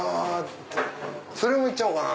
それも行っちゃおうかな。